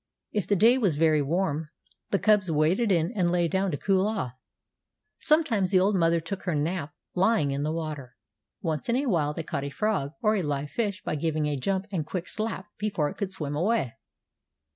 If the day was very warm the cubs waded in and lay down to cool off. Sometimes the old mother took her nap lying in the water. Once in a while they caught a frog or a live fish by giving a jump and quick slap before it could swim away.